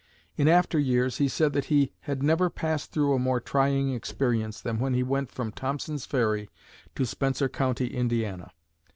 In after years he said that he had never passed through a more trying experience than when he went from Thompson's Ferry to Spencer County, Indiana.